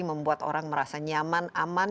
membuat orang merasa nyaman aman